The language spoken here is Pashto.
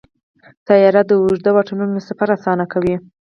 طیاره د اوږدو واټنونو سفر اسانه کوي.